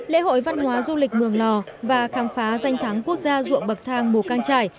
lễ hội văn hóa du lịch mường lò và khám phá danh thắng quốc gia ruộng bậc thang mù căng trải